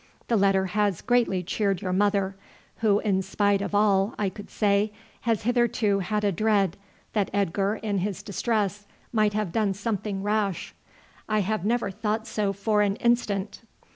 The letter has greatly cheered your mother, who, in spite of all I could say, has hitherto had a dread that Edgar in his distress might have done something rash. I have never thought so for an instant.